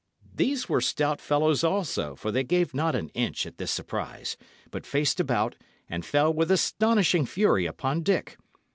These were stout fellows also, for they gave not an inch at this surprise, but faced about, and fell with astonishing fury upon Dick.